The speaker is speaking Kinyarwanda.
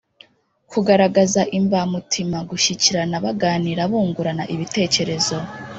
kugaragaza imbamutima, gushyikirana baganira, bungurana ibitekerezo,